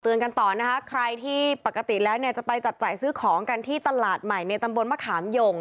กันต่อนะคะใครที่ปกติแล้วเนี่ยจะไปจับจ่ายซื้อของกันที่ตลาดใหม่ในตำบลมะขามหย่ง